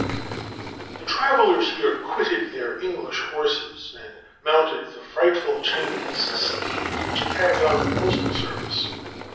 The travellers here quitted their English horses, and mounted the frightful Chinese steeds which carry on the postal service.